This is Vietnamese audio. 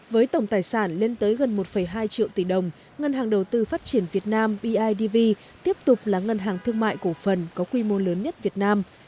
với tổng tài sản lên tới gần một hai triệu tỷ đồng ngân hàng đầu tư phát triển việt nam bidv tiếp tục là ngân hàng thương mại cổ phần có quy mô lớn nhất việt nam